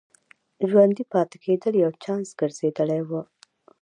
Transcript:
ژوندي پاتې کېدل یو چانس ګرځېدلی و.